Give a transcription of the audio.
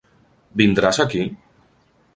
Vindràs aquí?